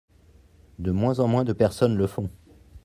De moins en moins de personnes le font.